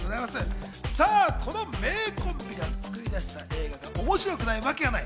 この名コンビが作り出した映画が面白くないわけがない。